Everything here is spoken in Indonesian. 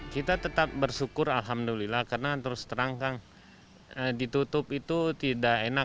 kita tetap bersyukur alhamdulillah karena terus terang kan ditutup itu tidak enak